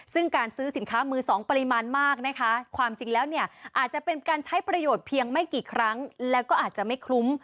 ซึ่งการซื้อสินค้ามือสองปริมาณมากนะคะความจริงแล้วเนี่ยอาจจะเป็นการใช้ประโยชน์เพียงไม่กี่ครั้งแล้วก็อาจจะไม่คลุ้ม